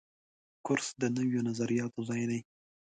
کورس د نویو نظریاتو ځای دی.